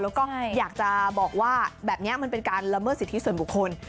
แล้วก็อยากจะบอกว่าแบบนี้มันเป็นการละเมิดสิทธิส่วนบุคคล